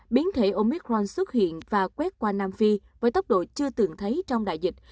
biến thể omicron xuất hiện và quét qua nam phi với tốc độ chưa từng thấy trong đại dịch